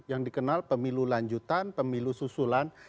yang dikenal pemilu lanjutan pemilu susulan